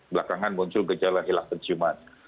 belakangan muncul gejala hilang penciuman